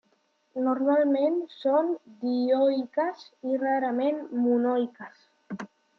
Normalment són dioiques i rarament monoiques.